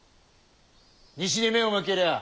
西に目を向けりゃあ